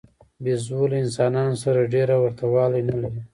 بیزو له انسانانو سره ډېره ورته والی نه لري.